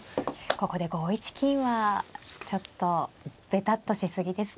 ここで５一金はちょっとべたっとし過ぎですか。